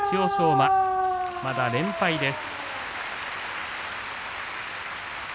馬、まだ連敗です。